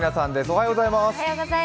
おはようございます。